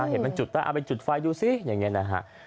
เห็นมันจุดต้องเอาไปจุดไฟดูซิอย่างนี้นะฮะ